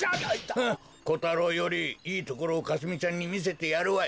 フッコタロウよりいいところをかすみちゃんにみせてやるわい。